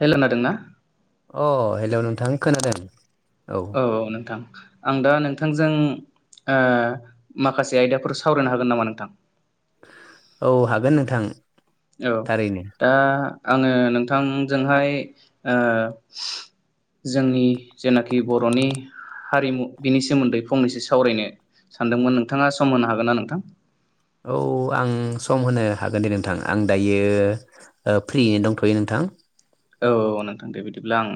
हेल' नादोंना अ हेल' नोंथां खोनादों। औ औ नोंथां। आं दा नोंथांजों ओ माखासे आयदाफोर सावरायनो हागोन नामा नोंथां? औ हागोन नोंथां। औ थारैनो दा आङो नोंथांजोंहाय ओ जोंनि जेनाखि बर'नि हारिमु बिनि सोमोन्दै फंनैसो सावरायनो सानदोंमोन, नोंथाङा सम होनो हागोन ना नोंथां? औ आं सम होनो हागोन दे नोंथां, आं दायो फ्रियैनो दंथ'यो नोंथां। औ औ नोंथां दे बिदिब्ला आं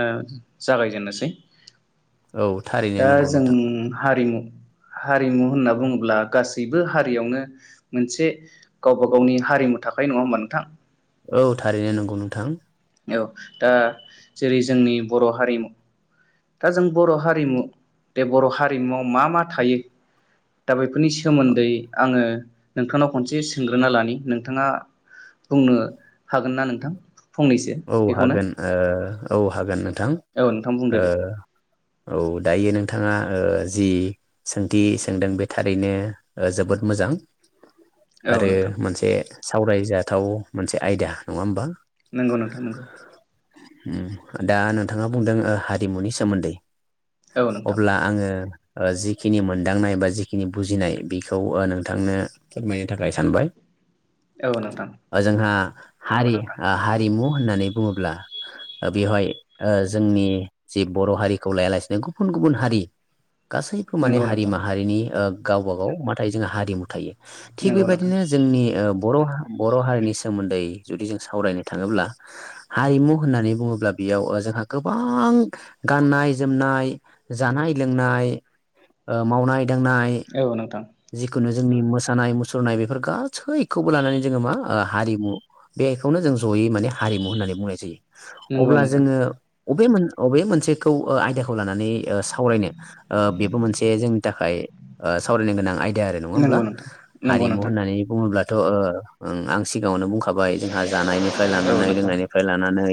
ओ जागायजेननोसै औ थारैनो दा नंगौ जों नोंथां हारिमु- हारिमु होनना बुङोब्ला गासैबो हारियावनो मोनसे गावबा गावनि हारिमु थाखायो। नङा होमबा नोंथां? औ थारैनो नंगौ नोंथां। औ दा जेरै- जोंनि बर' हारिमु दा जों बर' हारिमु, बे बर' हारिमुवआव मा मा थायो? दा बे बेफोरनि सोमोन्दै आङो नोंथांनाव खनसे सोंग्रोना लानि। नोंथाङा बुंनो हागोन ना नोंथां? फंनैसो औ बेखौनो हागोन, ओ औ हागोन नों औ नोंथां बुंदो दे औ दायो नोंथाङा जि सोंथि सोंदों बे थारैनो जोबोद मोजां। औ आरो नोंथां मोनसे सावरायजाथाव मोनसे आयदा नङा होमबा? नंगौ नोंथां नगौ। उम दा नोंथाङा बुंदों ओ हारिमुनि सोमोन्दै औ नोंथां अब्ला आङो जिखिनि मोनदांनाय बा जिखिनि बुजिनाय बेखौ नोंथांनो फोरमायनो थाखाय सानबाय। औ नोंथां जोंहा हारि आ हारिमु होननानै बुङोब्ला बेवहाय ओ जोंनि जि बर' हारिखौ लायालासेनो गुबुन गुबुन हारि गासैबो माने नंगौ नोंथां हारि-माहारिनि ओ गावबा गाव माथायो जों हारिमु थायो। थिग बे नंगौ नोंथां बायदिनो जोंनि ओ बर'- बर' हारिनि सोमोन्दै जुदि जों सावरायनो थाङोब्ला, हारिमु होननानै बुङोब्ला बेयाव जोंहा गोबां गाननाय, जोमनाय, जानाय, लोंनाय ओ मावनाय दांनाय औ नोंथां जिखुनु जोंनि मोसानाय, मुसुरनाय बेफोर गासैखौबो लानानै जोङो मा हारिमु, बेखौनो जों जयै माने हारिमु होननानै बुंनाय जायो। नंगौ अब्ला नोंथां जोङो अबे मोन- अबे मोनसेखौ ओ आयदाखौ लानानै सावरायनो बेबो मोनसे जोंनि थाखाय ओ सावरायनो गोनां। आयदा आरो नङा होमब्ला? नंगौ नोंथां नंगौ हारिमु नोंथां होननानै बुङोब्ला थ' ओ ओं आं सिगाङावनो बुंखा जाबाय जोंहा जानायनिफ्राय औ लानानै नोंथां लोंनायनिफ्राय लानानै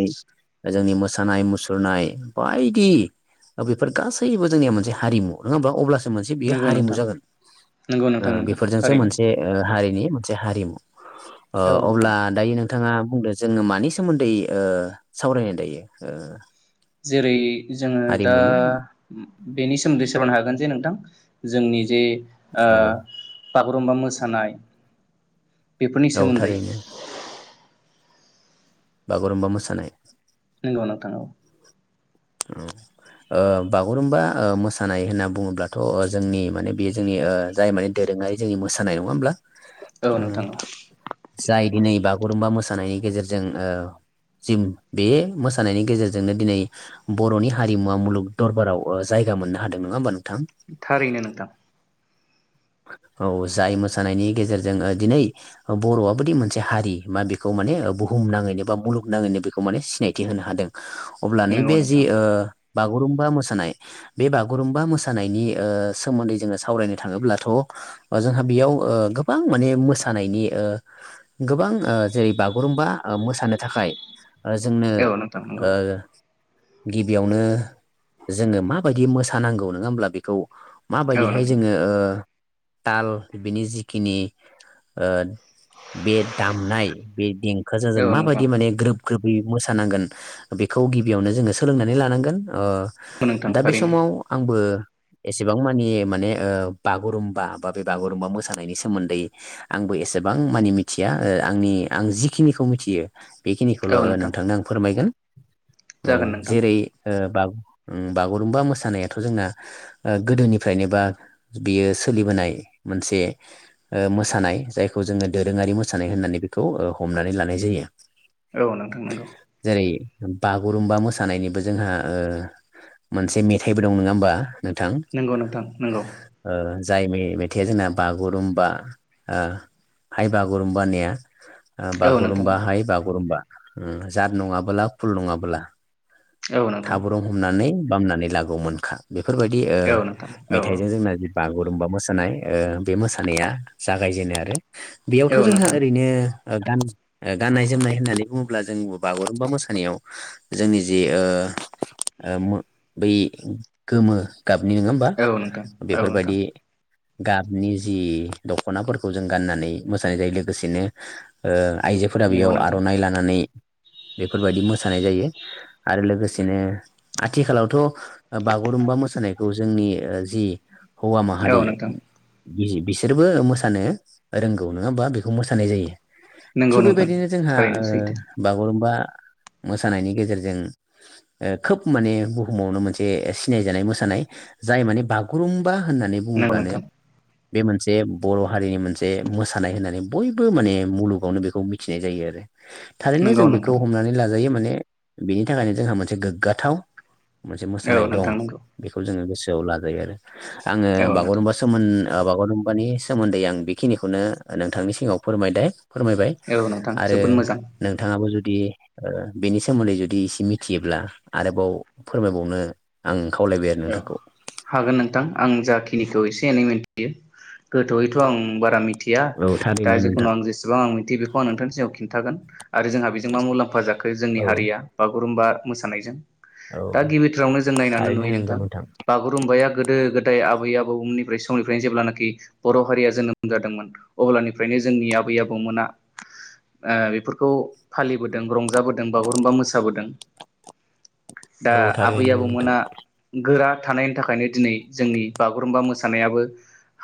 जोंनि मोसानाय मुसुरनाय बायदि बेफोर गासैबो जोंनि मोनसे हारिमु नङा होमबा अब्लास मोनसे बियो नंगौ हारिमु नोंथां जागोन। नंगौ ओ नोंथां नंगौ बेफोरजोंसो थारैनो मोनसे ओ हारिनि मोनसे हारिमु। ओ औ नोंथां अब्ला दायो नों थाङा बुंदो जोङो मानि सोमोन्दै ओ सावरायनो दायो? ओ जेरै- जोङो दा हारिमुनि बेनि सोमोन्दै सावरायनो हागोन जे नोंथां जोंनि जे आ औ बागुरुमबा मोसानाय बेफोरनि औ सोमोन्दै थारैनो बागुरुम्बा मोसानाय नंगौ नोंथां औ। उम ओ बागुरुम्बा ओ मोसानाय होनना बुङोब्लाथ' ओ जोंनि माने बेयो जोंनि ओ जाय माने दोरोङारि जोंनि मोसानाय नङा होमब्ला? औ उम नोंथां औ जाय दिनै बागुरुमबा मोसानायनि गेजेरजों ओ जों बे मोसानायनि गेजेरजोंनो दिनै बर'नि हारिमुवा मुलुग दरबाराव जायगा मोननो हादों नङा होमबा नों थारैनो नोंथां। औ जाय मोसानायनि गेजेरजों दिनै बर'आबोदि मोनसे हारि मा बेखौ माने बुहुम नाङैनो बा मुलुगनााङैनो बेखौ माने सिनायथि होनो हादों। अब्ला नंगौ नैबे जि नोंथां ओ बागुरुम्बा मोसानाय बे बागुरुम्बा मोसानायनि ओ सोमोन्दै जोङो सावरायनो थाङोब्ला थ' ओ जोंहा बेयाव ओ गोबां माने मोसानायनि ओ गोबां ओ जेरै बा गुरुम्बा मोसानो थाखाय जोंनो औ नोंथां नंगौ ओ गिबियावनो जोङो माबायदि मोसानांगौ नोङा होमब्ला बेखौ औ माबायदिहाय नोंथां जोङो ओ ताल बिनि जिखिनि ओ बे दामनाय बे देंखोजों औ जों नोंथां माबायदि माने ग्रोब ग्रोबै मोसानांगोन बेखौ गिबियावनो जोङो सोलोंनानै लानांगोन। अ नोंथां दा बे थारैनो समाव आंबो एसेबां मानि माने ओ बाग गुरुम्बा बा बे बागुरुम्बा मोसानायनि सोमोन्दै आंबो एसेबां मानि मिथिया ओ आंनि आं जिखिनिखौ मिथियो औ बेखिनिखौल' नोंथां नोंथांनो आं फोरमायगोन। औ जागोन नोंथां जेरै ओ उम बागुरुमबा मोसानायाथ' जोंना ओ गोदोनिफ्रायनो बा बियो सोलिबोनाय मोनसे ओ मोसानाय जायखौ जोंङो दोरोङारि मोसानाय होननानै बेखौ ओ हमनानै लानाय जायो। औ नोंथां नोंगौ। बागुरुमबा मोसानायनिबो जोंहा ओ मोनसे मेथाइबो दं नोङा होमबा? नोंथां नंगौ नोंथां नंगौ। ओ जाय मेथाइया जोंना बागुरुम्बा ओ हाइ बागुरुम्बा होननाया। औ नोंथां बागुरुम्बा हाय बागुरुम्बा। उम जाद नङाबोला खुल नङाबोला औ औ नोंथां थाब्रुम हमनानै बामनानै लागौमोनखा। बेफोरबायदि ओ औ नोंथां औ मेथाइजों जोंना बागुरुम्बा मोसानाय ओ बे मोसानाया जागायजेनो आरो। औ बेयावथ' औ जोंहा नोंथां ओरैनो ओ गान गाननाय जोमनाय होननानै बुङोब्ला जों बागुरुमबा मोसानायाव जोंनि जे ओ ओ बै गोमो गाबनि नङा होमबा औ नोंथां बे औ नोंथां बेफोरबायदि गाबनि जि दख'नाफोरखौ जों गाननानै मोसानाय जायो लोगोसेनो ओ आइजोफोरा नंगौ बेयाव नोंथां आर'नाइ लानानै बेफोरबायदि मोसानाय जायो आरो लोगोसेनो आथिखालावथ' ओ बागुरुमबा मोसानायखौ जोंनि ओ जि हौवा औ माहारि नोंथां बिहि बिसोरबो मोसानो रोंगौ नंङा होमबा बेखौ मोसानाय जायो। नंगौ थिग नोंथां बेबायदिनो जोंहा थारैनो ओ सैथो बागुरुमबा मोसानायनि गेजेरजों ओ खोब माने बुहुमावनो मोनसे सिनायजानाय मोसानाय जाय माने बागुरुम्ब होननानै नंगौ बुङोब्लानो नोंथां बे मोनसे बर' हारिनि मोनसे मोसानाय होननानै बयबो माने मुलुगावनो बेखौ मिथिनाय जायो आरो। थारैनो नंगौ जों बेखौ नोंथां हमनानै लाजायो माने बे बेनि थाखायनो जोंहा मोनसे गोग्गाथाव। मोनसे औ मोसानाय दं नोंथां नंगौ बेखौ जोंङो गोसो दवला लाजायो आरो आंङो औ नोंथां बागुरुमबा सोमोन बागुरुम्बानि सोमोन्दै आं बेखिनिखौनो नोंथांनि सिगाङाव फोरमायबाय। फोरमायबाय औ नोंथां आरो जोबोद मोजां नोंथाङाबो जुदि जुदि बेनि सोमोन्दै जुदि एसे मिथियोब्ला आरोबाव फोरमायबावनो आं। खावलायबाय आरो औ नोंथांखौ हागोन नोंथां। आं जाखिनिखौ एसे एनै मिथियो गोथौयैथ' आं बारा मि थिया औ दा थारैनो जिखुन नोंथां आं जेसेबां आं मिथियो बेखौ आं नोंथांनि सिगाव खिन्थागोन। आरो जोंहा बेजों मा मुलाम्फा जाखो जोंनि औ हारिया बा बागुरुमबा मोसानायजों। औ दा गिबिथारावनो जों नायनानै थारैनो नंगौ नुयो। नोंथां बागुरुम्बाया गोदो गोदो गोदाय आबै आबौमोननिफ्राय समनिफ्रायनो जेब्लानाखि बर' हारिया जोनोम जादोंमोन, अब्लानिफ्रायनो जोंनि आबै आबौमोना बेफोरखौ फालिबोदों रंजाबोदों बागुरुम्बा मोसाबोदों। दा औ आबै थारैनो नंगौ नोंथां आबौमोना गोरा थानायनि थाखायनो दिनै जोंनि बागुरुम्बा मोसानायाबो,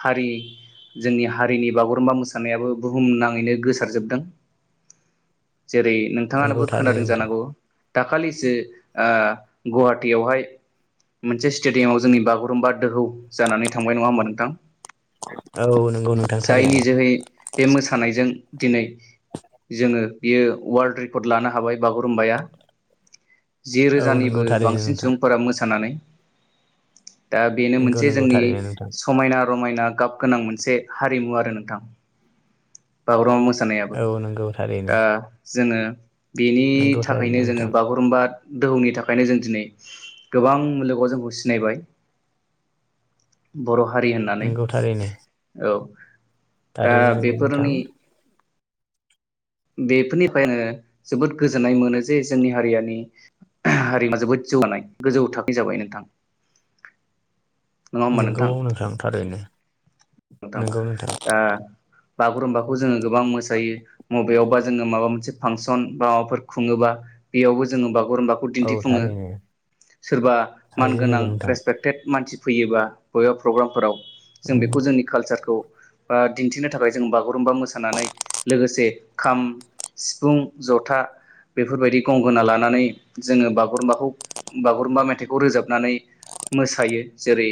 हारि जोंनि हारिनि बागुरुम्बा मोसानायाबो बुहुमनाङैनो गोसारजोबदों। जेरै नोंथाङानोबो नंगौ थारैनो खोनादों नोंथां जानांगौ। दाखालिसो गुवाहाटियावहाय मोनसे स्टेडियामाव जोंनि बागुरुम्बा दोहौ जानानै थांबाय नङा होमबा नोंथां? औ नंगौ नोंथां जायनि थारैनो जोहै बे मोसानायजों दिनै जोङो बियो वर्ल्ड रेकर्ड लानो हाबाय बागुरुम्बाया जि औ नंगौ रोजानिबो थारैनो बांसिन नोंथां सुबुंफोरा मोसानानै दा बेनो नंगौ मोनसे नंगौ जोंनि थारैनो नोंथां समायना रमायना गाब गोनां मोनसे हारिमु आरो नोंथां बागुरुम्बा मोसा नायाबो औ नंगौ थारैनो जोङो बेनि नंगौ थाखायनो थारैनो जोङो नोंथां बागुरुम्बा दोहौनि थाखायनो जों दिनै गोबां लो गो जोंखौ सिनायबाय। बर' हारि होननानै नंगौ थारैनो औ दा थारैनो नंगौ नोंथां बेफोरनि बेफोरनिफ्राय आङो जोबोद गोजोननाय मोनो जे जोंनि हारियानि हारिया जोबोद जौगानाय गोजौ थाखोनि जाबाय नोंथां। नङा होमबा नोंगौ नोंथां थारैनो। नोंथां दा बागुरुम्बाखौ जोङो गोबां मोसायो मबेयावबा जोङो माबा मोनसे फांसन बा माबाफोर खुङोबा बेयावबो जोङो बाग‌ बागुरुम्बाखौ औ दिन्थिफुङो। थारैनो सोरबा मान थारैनो गोनां नंगौ नोंथां रेसपेक्टेट मानसि फैयोबा बबेबा प्रग्रामफोराव जों उम बेखौ जोंनि कालसारखौ बा दिन्थिनो थाखाय जों बागुरुमबा मोसानानै लोगोसे खाम, सिफुं, जथा बेफोरबायदि गंगोना लानानै जोङो बागुरुमबाखौ बागुरुम्बा मेथाइखौ रोजाबनानै मोसायो। जेरै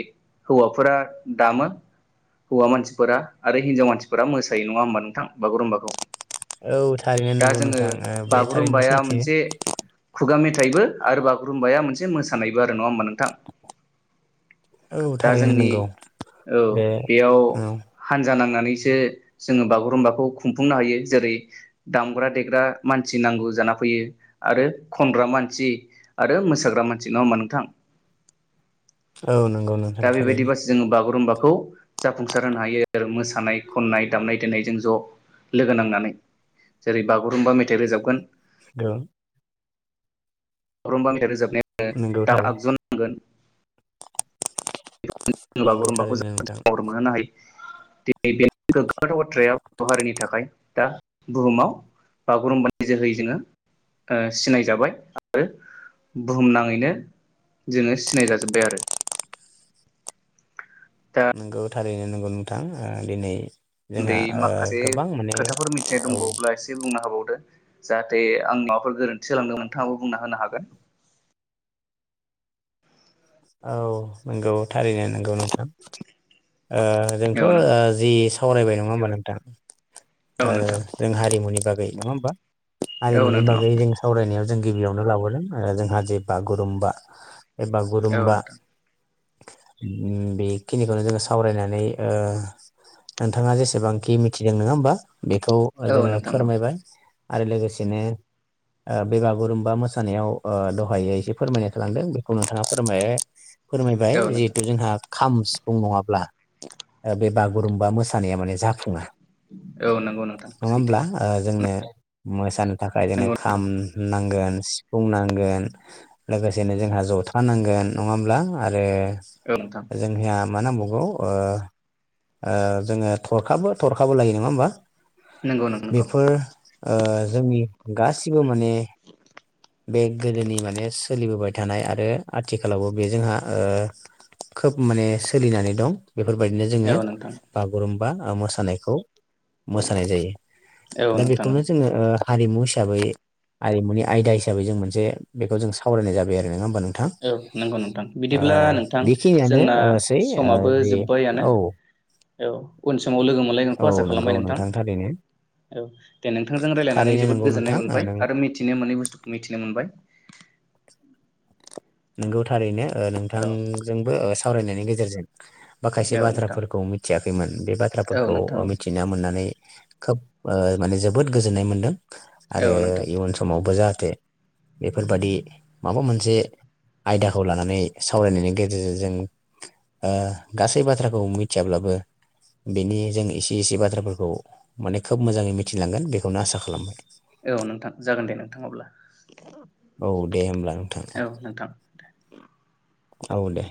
हौवाफोरा दामो। हौवा मानसिफोरा आरो हिनजाव मानसिफोरा मोसायो नङा होमबा नोंथां बागुरुम्बाखौ। औ थारैनो दा नोंगौ जोङो नोंथां ओ बे थारैनो सैथो। थाइबो आरो बागुरुम्बाया मोनसे मोसानायबो आरो नङा होमबा नों नोंथां औ दा थारैनो जोंनि नंगौ बे औ औ। जांनानानैसो जोङो बागुरुम्बाखौ खुंफुंनो हायो जेरै दामग्रा देग्रा मानसि नांगौ जाना फैयो आरो खनग्रा मानसि आरो मोसाग्रा मानसि। नङा होमबा नोंथां? औ नंगौ। नोंथां दा थारैनो बेबायदिबासो जोङो बागुरुम्बाख खौ जाफुंसार होनो हायो मोसानाय खननाय दामनाय देनायजों ज' लोगो नांनानै जेरै बागुरुम्बा मेथाइ रोजाबगोन गो रुमबां‌ मेथाइ रोजाब नंगौ [unintelligible] दाम थारै आगजु नांगोन। बे नंगौ बागुरुम्बाखौ जों थारैनो नोंथां महर मोनहोनो हायो। बेनि गोग्गाथाव बाथ्राया बर‌' हारिनि थाखाय दा बुहुमाव बागुरुम्बानि जोहै जोङो ओ सिनायजाबाय आरो बुहुम नाङैनो जोङो सिनाय जाजोब्बाय आरो। दा नंगौ। थारैनो नंगौ नोंथां ओ दिनै मोन्दै जोंहा ओ माखासे गोबां माने खोथाफोर मिथिनाय औ दंबावोब्ला एसे बुंनो हाबावदो। जाहाथे आं माबाफोर गोरोन्थि जालांदोंबा नोंथाङाबो बुंना होनो हागोन। औ नंगौ थारैनो नोंगौ नोंथां। ओ जोंथ' औ ओ जि सा सावरायबाय नङा होमबा नोंथां। ओ नोंथां जों हारिमुनि बागै नङा होमबा? औ हारिमुनि नोंथां बागै जों सावरायनायाव जों गिबियावनो लाबोदों आरो जोंहा जे बागुरुम्बा औ गुरुमबा। नोंथां उम बेखिनिखौनो जोङो सावरायनानै ओ नोंथाङा जेसेबांखि मिथिदों नङा होमबा? बेखौ औ नोंथां औ जोङो नोंथां फोरमायबाय। आरो लोगोसेनो‌ ओ बे बागुरुम्बा मोसानायाव ओ दहायो एसे फोरमायनाय थांलांदों बेखौनो ओ फोरमायहै। फोरमायबाय औ नोंथां जिहेतु जोंहा खाम सिफुं नङाब्ला बे बागुरुम्बा मोसानाया माने जाफुङा। औ नंगौ नोंथां नङा सैथो होमब्ला ओ जोंनो मोसानो थाखाय जोंनो नंगौ खाम नोंथां नांगोन सिफुंनांगोन लोगोसेनो जोंहा जथा नांगोन नङाब्ला आरो औ नोंथां जोंहा मा नांबावगौ ओ ओ जोङो थरखाबो थरखाबो लायो नङा होमबा। नंगौ नों नंगौ बेफोर ओ जोंनि गासिबो माने बे गोदोनि माने सोलिबोबाय थानाय आरो आथिखालावबो बे जोंहा ओ खोब माने सोलिनानै दं। बेफोरबायदिनो जोङो औ नोंथां बागुरुम्बा मोसानायखौ मोसानाय जायो औ दा नोंथां औ बेखौनो जोङो ओ हारिमु हिसाबै हारिमुनि आयदा हिसाब बै जों मोनसे बेखौ जों सावराय जाबाय आरो नङा होनबा नों औ नोंगौ नोंथां बिदिब्ला नोंथां बेखिनियानो जोंना ओ सै ओ समाबो जि जोब्बायानो औ औ उनस समाव लोगो औ मोनलायगोनखौ आसा नंगौ खालामबाय नोंथां थारैनो औ दे नोंथांजों रायजलायनानै थारैनो जोबोद नंगौ गोजोननाय नोंथां ओ मोनबाय नों आरो मिथिनो मोनै बुस्थुखौ मिथिनो मोनबाय। नोंगौ थारैनो ओ औ नोंथांजोंबो ओ सावरायनायनि गेजेरजों माखासे औ नोंथां बाथ्राफोरखौ मिथियाखैमोन बे औ बाथ्राफोरखौ नोंथां मिथिना मोननानै खोब ओ माने जोबोद गोजोननाय मोन्दों। औ आरो नोंथां इयुन समावबो जा थे बेफोरबायदि माबा मोन से आयदाखौ लानानै सावरायनायनि गेजेरजों जों ओ गासै बाथ्राखौ मिथियाब्लाबो बेनि जों एसे एसे बाथ्राफोरखौ माने खोब मोजाङै मिथिलांगोन बेखौनो आसा खालामबाय। औ नोंथां जागोन दे नोंथां अब्ला। औ दे होमब्ला नोंथां। औ नोंथां औ दे।